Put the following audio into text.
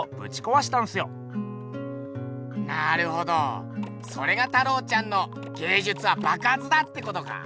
なるほどそれが太郎ちゃんの芸術はばくはつだ！ってことか？